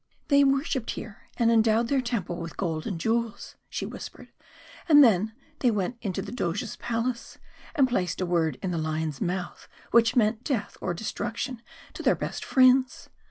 "They worshipped here, and endowed their temple with gold and jewels," she whispered, "and then they went into the Doge's Palace, and placed a word in the lion's mouth which meant death or destruction to their best friends!